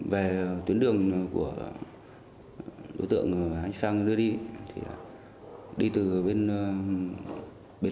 hãy đăng ký kênh để ủng hộ kênh của mình nhé